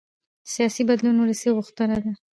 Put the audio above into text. سیاسي بدلون ولسي غوښتنه ده